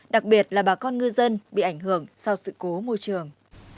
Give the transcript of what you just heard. đặc biệt là bà con ngư dân bị ảnh hưởng sau sự cố môi trường